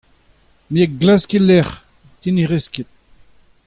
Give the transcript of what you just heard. Me a glask e-lec'h te ne rez ket.